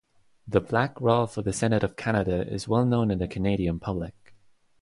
The Black Rod for the Senate of Canada is well-known in the Canadian public.